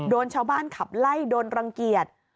ชาวบ้านขับไล่โดนรังเกียจ